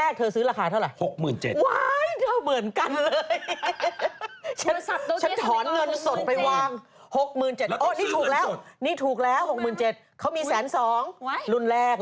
คือนั่งอยู่ตรงนั้นก็เผลอ